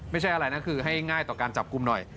ไม่ใช่อะไรนะคือให้ง่ายต่อการจับกลุ่มหน่อย